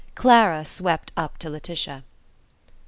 Clara swept up to Laetitia.